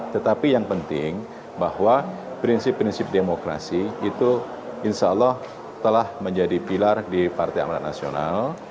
tetapi yang penting bahwa prinsip prinsip demokrasi itu insya allah telah menjadi pilar di partai amran nasional